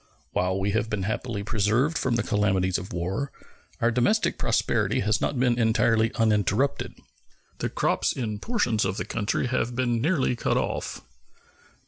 While we have been happily preserved from the calamities of war, our domestic prosperity has not been entirely uninterrupted. The crops in portions of the country have been nearly cut off.